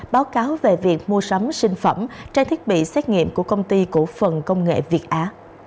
báo cáo về việc mua sắm sinh phẩm trang thiết bị xét nghiệm của công ty cổ phần công nghệ việt á